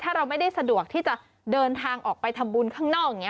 ถ้าเราไม่ได้สะดวกที่จะเดินทางออกไปทำบุญข้างนอกอย่างนี้